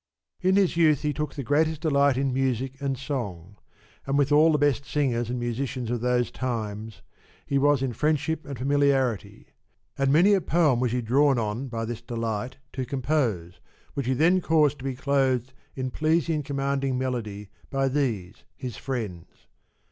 In his youth he took the greatest delight in music and song ; and with all the best singers and musicians of those times he was in friendship and familiarity ; and many a poem was he drawn on by this delight to compose, which he then caused to be clothed in pleasing and commanding melody by these his friends.